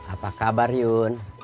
apa kabar yun